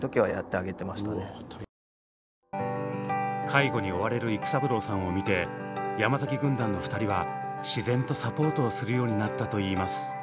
介護に追われる育三郎さんを見て山崎軍団の２人は自然とサポートをするようになったといいます。